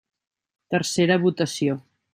Tercera votació.